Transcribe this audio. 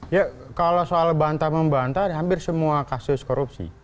ya kalau soal bantah membantah hampir semua kasus korupsi